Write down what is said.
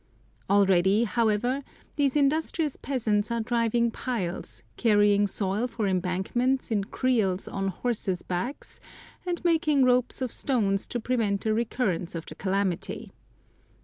Already, however, these industrious peasants are driving piles, carrying soil for embankments in creels on horses' backs, and making ropes of stones to prevent a recurrence of the calamity.